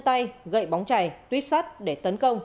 thắng đã sử dụng chân tay gậy bóng chảy tuyếp sắt để tấn công